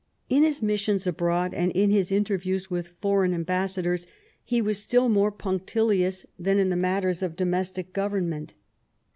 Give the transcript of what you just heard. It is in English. In his missions al)road, and in his interviews with foreign ambassadors, he was still more punctilious than in tiie matters of domestic government.